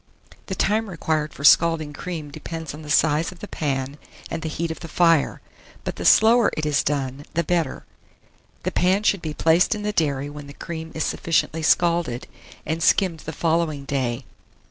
The time required for scalding cream depends on the size of the pan and the heat of the fire; but the slower it is done, the better. The pan should be placed in the dairy when the cream is sufficiently scalded, and skimmed the following day.